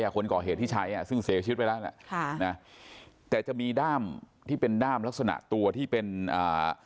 คนก่อเหตุที่ใช้อ่ะซึ่งเสียชีวิตไปแล้วน่ะค่ะนะแต่จะมีด้ามที่เป็นด้ามลักษณะตัวที่เป็นอ่า